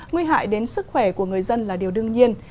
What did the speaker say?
nguy hại đến sức khỏe của người dân là điều đương nhiên